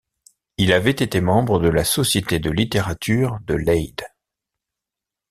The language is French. Il avait été membre de la Société de littérature de Leyde.